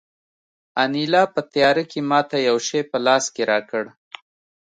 انیلا په تیاره کې ماته یو شی په لاس کې راکړ